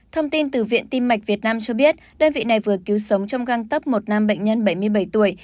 thông tin từ viện tim mạch việt nam cho biết đơn vị này vừa cứu sống trong găng tấp một nam bệnh nhân bảy mươi bảy tuổi